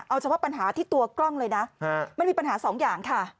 เอาเฉพาะปัญหาที่ตัวกล้องเลยนะมันมีปัญหาสองอย่างค่ะ